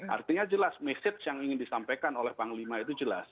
artinya jelas message yang ingin disampaikan oleh panglima itu jelas